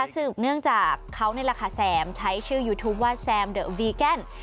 ซึ่งเนื่องจากเขาในราคาแซมใช้ชื่อยูทูปว่าแซมเดอร์วีแกน